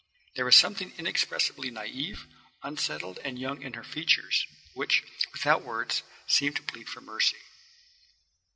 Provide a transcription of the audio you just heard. There was something inexpressibly naïve, unsettled and young in her features, which, without words, seemed to plead for mercy.